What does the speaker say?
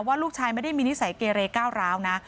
ลูกชายไม่ได้มีนิสัยเกเรก้าวร้าวนะ